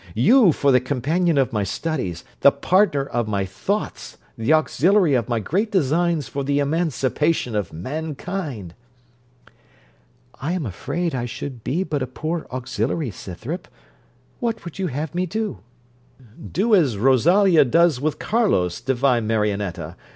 You, for the companion of my studies, the partner of my thoughts, the auxiliary of my great designs for the emancipation of mankind.' 'I am afraid I should be but a poor auxiliary, Scythrop. What would you have me do?' 'Do as Rosalia does with Carlos, divine Marionetta.